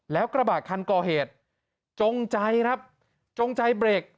แล้วกระบะคันก่อเหตุจงใจครับจงใจเบรก